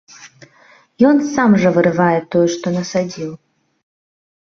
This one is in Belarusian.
Ён сам жа вырывае тое, што насадзіў.